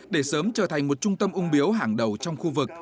để sớm trở thành một trung tâm ung biếu hàng đầu trong khu vực